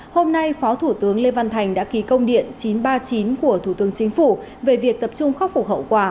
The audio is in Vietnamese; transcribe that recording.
hôm nay phó thủ tướng lê văn thành đã ký công điện chín trăm ba mươi chín của thủ tướng chính phủ về việc tập trung khắc phục hậu quả